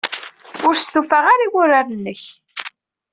Ur stufaɣ ara i wurar-nnek.